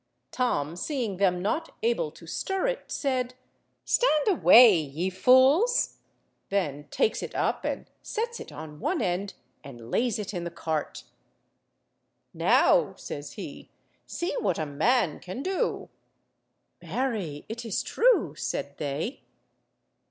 Tom seeing them not able to stir it, said— "Stand away, ye fools!" then takes it up and sets it on one end and lays it in the cart. "Now," says he, "see what a man can do!" "Marry, it is true," said they.